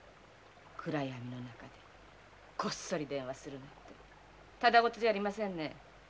暗闇の中でこっそり電話するなんてただごとじゃありませんね。